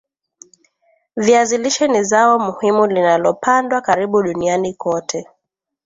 Viazi lishe ni zao muhimu linalopandwa karibu duniani kote